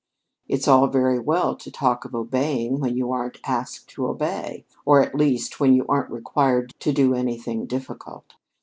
It's all very well to talk of obeying when you aren't asked to obey or, at least, when you aren't required to do anything difficult.